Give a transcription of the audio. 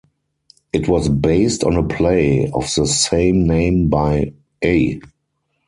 It was based on a play of the same name by A.